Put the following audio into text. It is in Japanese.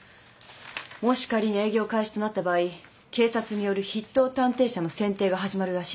もし仮に営業開始となった場合警察による筆頭探偵社の選定が始まるらしいの。